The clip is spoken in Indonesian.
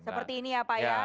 seperti ini ya pak ya